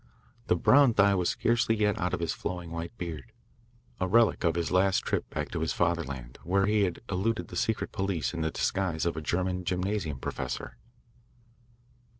The brown dye was scarcely yet out of his flowing white beard a relic of his last trip back to his fatherland, where he had eluded the secret police in the disguise of a German gymnasium professor.